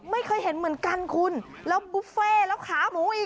ไม่เคยเห็นเหมือนกันคุณแล้วบุฟเฟ่แล้วขาหมูอีก